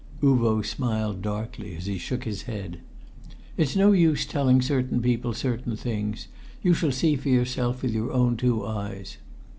Uvo smiled darkly as he shook his head. "It's no use telling certain people certain things. You shall see for yourself with your own two eyes."